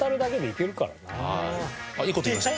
いい事言いました。